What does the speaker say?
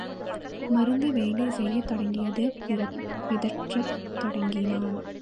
மருந்து வேலை செய்யத் தொடங்கியது பிதற்றத் தொடங்கினான்.